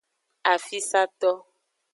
Afisato.